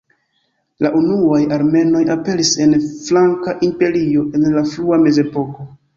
La unuaj armenoj aperis en Franka imperio en la frua mezepoko.